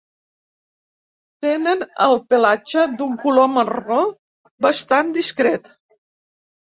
Tenen el pelatge d'un color marró bastant discret.